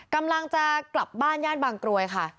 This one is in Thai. กำลังจะกลับบ้านย่านบางกรวยค่ะ